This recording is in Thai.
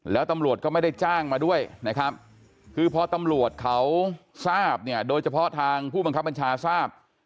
แล้วตำรวจก็ไม่ได้จ้างมาด้วยนะครับคือพอตำรวจเขาทราบเนี่ยโดยเฉพาะทางผู้บังคับบัญชาทราบ